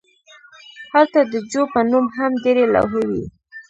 هلته د جو په نوم هم ډیرې لوحې وې